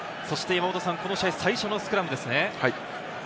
この試合最初のスクラムですね。